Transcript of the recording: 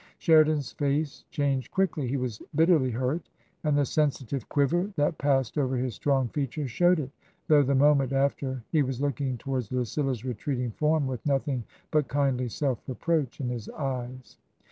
Sheridan's face changed quickly. He was bitterly hurt, and the sensitive quiver that passed over his strong features showed it, though the moment after he was looking towards Lucilla's retreating form with nothing but kindly self reproach in his eyes.